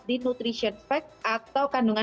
di nutrition fact atau kandungan